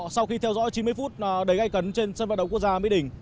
sau khi theo dõi chín mươi phút đầy cấn trên sân vận động quốc gia mỹ đình